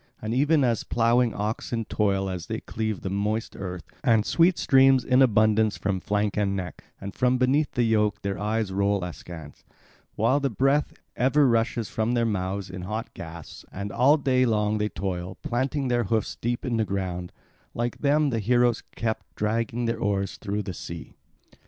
And even as ploughing oxen toil as they cleave the moist earth, and sweat streams in abundance from flank and neck; and from beneath the yoke their eyes roll askance, while the breath ever rushes from their mouths in hot gasps; and all day long they toil, planting their hoofs deep in the ground; like them the heroes kept dragging their oars through the sea.